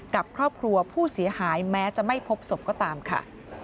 กับครอบครัวผู้เสียหายแม้จะไม่พบศพก็ตามค่ะ